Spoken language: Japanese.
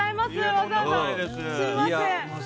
わざわざすみません。